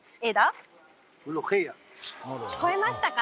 聞こえましたか？